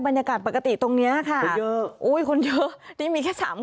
บรรยากาศปกติตรงนี้นะครับ